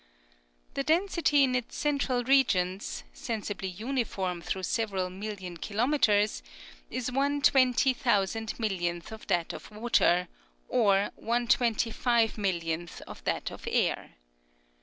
The density in its central regions, sensibly uniform through several million kilometres, is one twenty thousand millionth of that of water ; or one twenty five millionth of that of air.